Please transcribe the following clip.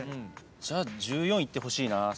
じゃあ１４いってほしいな。